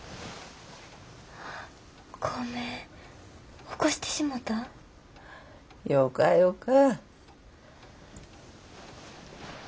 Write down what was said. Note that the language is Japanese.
ごめん起こしてしもた？よかよか。